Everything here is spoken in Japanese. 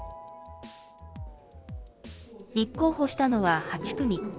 立候補したのは８組。